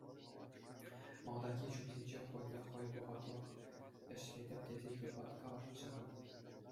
Малтанхи ҫулсенче хӑйне хӑй вӑхӑтлӑх ӗҫлетӗп тесе йӑпаткалатчӗ-ха.